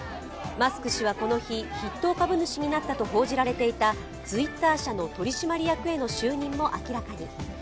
マスク氏はこの日、筆頭株主になったと報じられていたツイッター社の取締役への就任も明らかに。